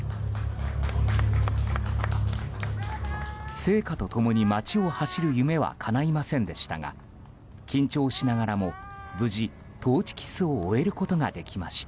聖火と共に街を走る夢はかないませんでしたが緊張しながらも無事、トーチキスを終えることができました。